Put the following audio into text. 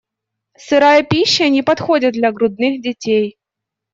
Сырая пища не подходит для грудных детей.